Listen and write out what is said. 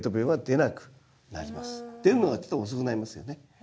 出るのがちょっと遅くなりますよね。